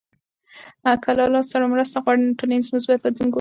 که له الله ج سره مرسته وغواړو، نو ټولنیز مثبت بدلون ګورﻱ.